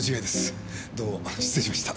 どうも失礼しました。